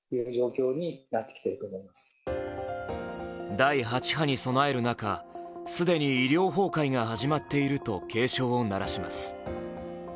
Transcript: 第８波に備える中既に医療崩壊が始まっていると警鐘を鳴らします。